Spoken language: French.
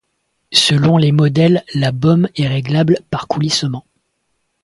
Selon les modèles la bôme est réglable par coulissement.